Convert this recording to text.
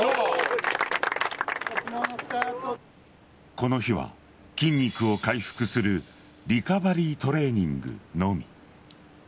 この日は筋肉を回復するリカバリートレーニングのみ。